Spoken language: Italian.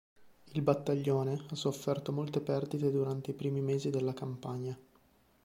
Il battaglione ha sofferto molte perdite durante i primi mesi della campagna.